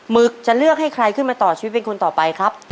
หึกจะเลือกให้ใครขึ้นมาต่อชีวิตเป็นคนต่อไปครับ